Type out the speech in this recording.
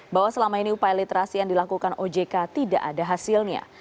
bahwa selama ini upaya literasi yang dilakukan ojk tidak ada hasilnya